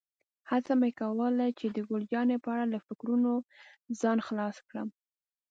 هڅه مې کوله چې د ګل جانې په اړه له فکرونو ځان خلاص کړم.